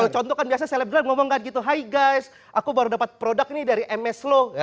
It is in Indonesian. kalau contoh kan biasanya selebgram ngomong kan gitu hai guys aku baru dapat produk ini dari mslo